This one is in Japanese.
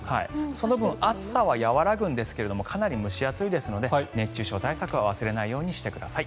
その分暑さは和らぐんですがかなり蒸し暑いですので熱中症対策は忘れないようにしてください。